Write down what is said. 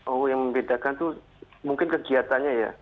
oh yang membedakan itu mungkin kegiatannya ya